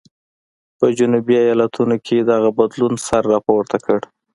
په جنوبي ایالتونو کې دغه بدلون سر راپورته کړ.